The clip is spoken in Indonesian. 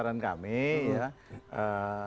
bahwa ini dibuka lah ya